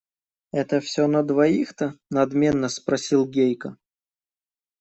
Это все на двоих-то? – надменно спросил Гейка.